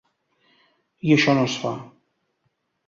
I això no es fa.